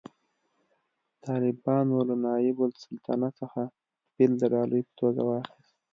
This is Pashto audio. طالبانو له نایب السلطنه څخه فیل د ډالۍ په توګه واخیست